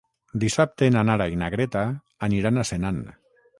Dissabte na Nara i na Greta aniran a Senan.